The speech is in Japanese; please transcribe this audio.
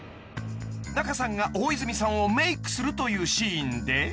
［仲さんが大泉さんをメークするというシーンで］